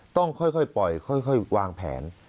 ต้องค่อยปล่อยค่อยวางแผน